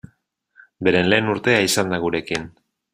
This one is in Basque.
Beren lehen urtea izan da gurekin.